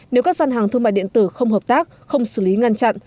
nếu các gian hàng thương mại điện tử không hợp tác không xử lý ngăn chặn